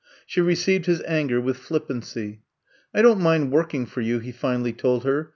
She re ceived his anger with flippancy. I don^t mind working for you,'* he finally told her.